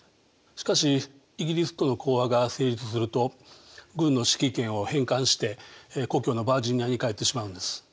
しかしイギリスとの講和が成立すると軍の指揮権を返還して故郷のバージニアに帰ってしまうんです。